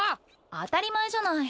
当たり前じゃない。